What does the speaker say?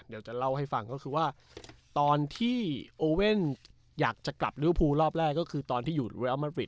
เดี๋ยวจะเล่าให้ฟังก็คือว่าตอนที่โอเว่นอยากจะกลับริวภูรอบแรกก็คือตอนที่อยู่เรียลมัดฟริก